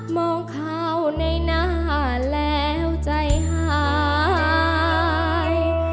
มองข้าวในหน้าแล้วใจหาย